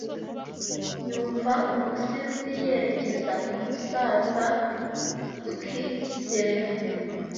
yumva umusizi yerekeza ku musaza nkikigereranyo